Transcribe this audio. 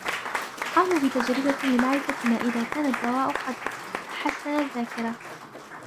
قاموا بتجربة لمعرفة ما اذا كان الدواء قد حسن الذاكرة.